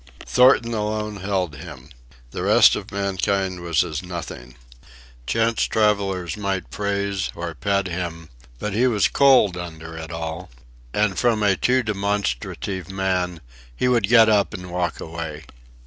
Thornton alone held him. The rest of mankind was as nothing. Chance travellers might praise or pet him; but he was cold under it all, and from a too demonstrative man he would get up and walk away.